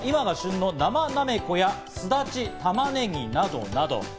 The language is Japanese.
材料は今が旬のなまなめこや、すだち、玉ねぎなどなど。